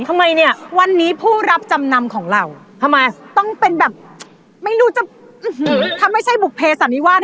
ทำไมเนี่ยวันนี้ผู้รับจำนำของเราทำไมต้องเป็นแบบไม่รู้จะถ้าไม่ใช่บุภเพสันนิวาส